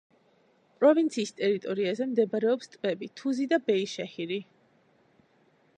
პროვინციის ტერიტორიაზე მდებარეობს ტბები თუზი და ბეიშეჰირი.